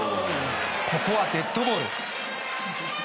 ここはデッドボール。